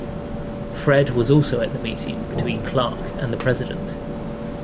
Fred was also at the meeting between Clark and the President.